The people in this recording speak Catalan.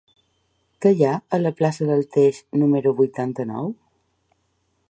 Què hi ha a la plaça del Teix número vuitanta-nou?